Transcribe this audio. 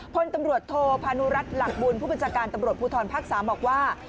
พลตำรวจโทพานุรัติหลักบุญผู้บัญชาการตำรวจภูทรภาค๓บอกว่า